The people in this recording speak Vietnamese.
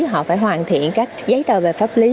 họ phải hoàn thiện các giấy tờ về pháp lý